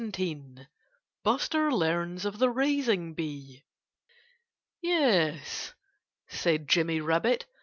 XVII BUSTER LEARNS OF THE RAISING BEE "Yes!" said Jimmy Rabbit.